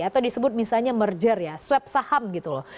atau disebut misalnya merger ya swab saham gitu loh